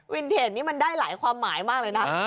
เทนนี่มันได้หลายความหมายมากเลยนะ